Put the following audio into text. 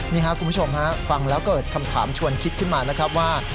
นี่ครับคุณผู้ชมฮะฟังแล้วเกิดคำถามชวนคิดขึ้นมานะครับว่า